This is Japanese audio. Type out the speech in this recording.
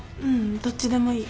どっちでもいい。